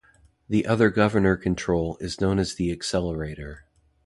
The other governor control is known as the accelerator.